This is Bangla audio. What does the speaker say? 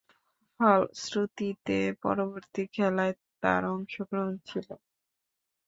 ফলশ্রুতিতে পরবর্তী খেলায়ও তার অংশগ্রহণ ছিল।